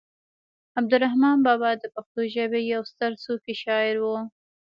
عبد الرحمان بابا د پښتو ژبې يو ستر صوفي شاعر و